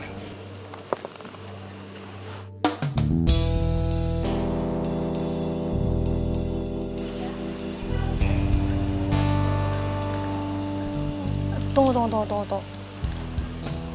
tunggu tunggu tunggu